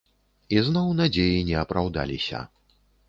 І зноў надзеі не апраўдаліся.